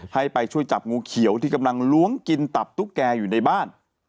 ให้ไปช่วยจับงูเขียวที่กำลังล้วงกินตับตุ๊กแกอยู่ในบ้าน